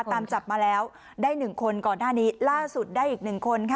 ตามจับมาแล้วได้๑คนก่อนหน้านี้ล่าสุดได้อีกหนึ่งคนค่ะ